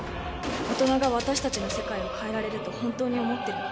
大人が私たちの世界を変えられると本当に思ってるの？